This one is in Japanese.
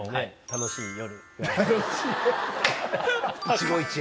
楽しい夜。